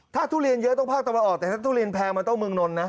ถ้าทุเรียนเยอะต้องภาคตะวันออกแต่ถ้าทุเรียนแพงมันต้องเมืองนนทนะ